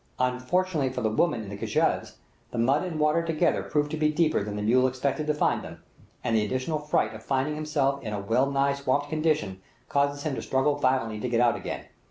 Unfortunately for the women in the kajavehs, the mud and water together prove to be deeper than the mule expected to find them, and the additional fright of finding himself in a well nigh swamped condition, causes him to struggle violently to get out again.